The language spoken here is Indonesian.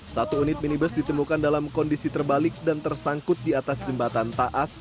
satu unit minibus ditemukan dalam kondisi terbalik dan tersangkut di atas jembatan taas